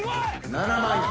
７万円。